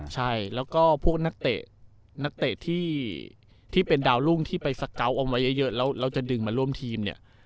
ใช่แล้วก็พวกนักเตะนักเตะที่เป็นดาวรุ่งที่ไปสเกาะเอาไว้เยอะแล้วเราจะดึงมาร่วมทีมเนี่ย